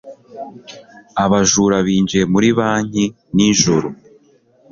Abajura binjiye muri banki nijoro.